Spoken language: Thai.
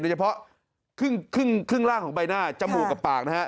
เฉพาะครึ่งล่างของใบหน้าจมูกกับปากนะฮะ